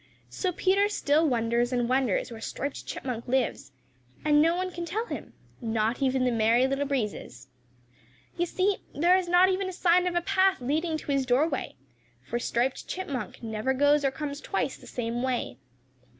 So Peter still wonders and wonders where Striped Chipmunk lives, and no one can tell him, not even the Merry Little Breezes. You see there is not even a sign of a path leading to his doorway, for Striped Chipmunk never goes or comes twice the same way.